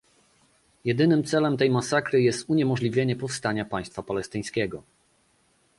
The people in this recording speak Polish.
Jedynym celem tej masakry jest uniemożliwienie powstania państwa palestyńskiego